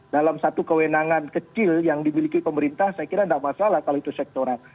dalam satu kewenangan kecil yang dimiliki pemerintah saya kira tidak masalah kalau itu sektoral